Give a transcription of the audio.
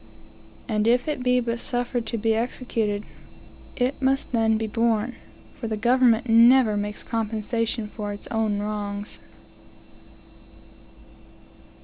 And if it be but suffered to be executed, it must then be borne; for the government never makes compensation for its own wrongs.